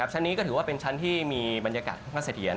ชั้นนี้ก็ถือว่าเป็นชั้นที่มีบรรยากาศค่อนข้างเสถียร